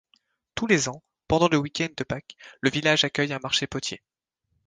Tous les ans, pendant le week-end de Pâques, le village accueille un marché potier.